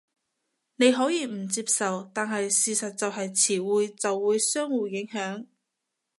你可以唔接受，但係事實就係詞彙就會相互影響